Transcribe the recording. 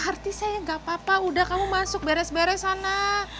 hati saya gak apa apa udah kamu masuk beres beres sana